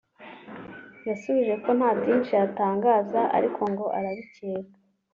yasubije ko nta byinshi yatangaza ariko ngo arabicyeka